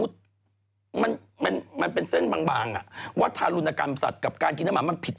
แต่จริงถ้าสมมุติมันเป็นเส้นบางวัฒนธารุณกรรมสัตว์กับการกินเนื้อหมามันผิด